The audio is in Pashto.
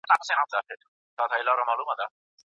مرغۍ د حضرت سلیمان علیه السلام په دربار کې ډاډ ترلاسه کړ.